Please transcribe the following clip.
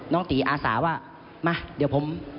ตีอาสาว่ามาเดี๋ยวผม